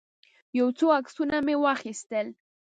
یو څو عکسونه مې واخیستل.